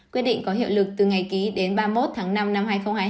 quyết định có hiệu lực từ ngày ký đến ba mươi một tháng năm năm hai nghìn hai mươi bốn